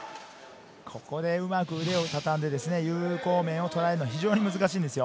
ここでうまく腕をたたんで有効面を捉えるのは非常に難しいんですよ。